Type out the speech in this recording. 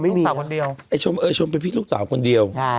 ผมอยู่อิจฉามากเลย